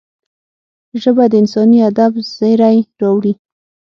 ژبه د انساني ادب زېری راوړي